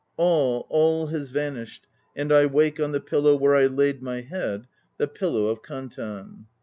All, all has vanished and I wake On the pillow where I laid my head, The Pillow of Kantan.